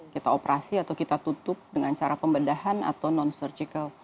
kita operasi atau kita tutup dengan cara pembedahan atau non surgical